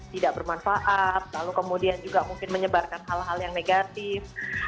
tidak bermanfaat lalu kemudian juga mungkin menyebarkan hal hal yang negatif